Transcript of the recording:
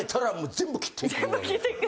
全部切っていく。